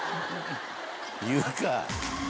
言うか！